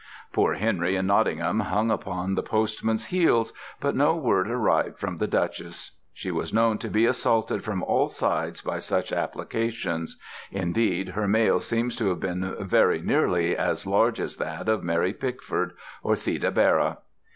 Poor Henry in Nottingham hung upon the postman's heels, but no word arrived from the duchess. She was known to be assaulted from all sides by such applications: indeed her mail seems to have been very nearly as large as that of Mary Pickford or Theda Bara.